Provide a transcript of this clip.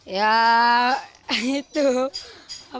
ya itu apa